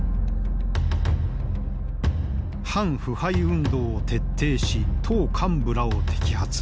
反腐敗運動を徹底し党幹部らを摘発。